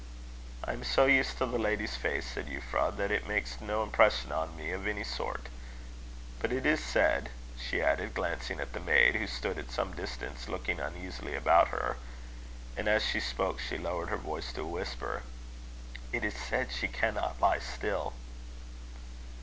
"I am so used to the lady's face," said Euphra, "that it makes no impression on me of any sort. But it is said," she added, glancing at the maid, who stood at some distance, looking uneasily about her and as she spoke she lowered her voice to a whisper "it is said, she cannot lie still."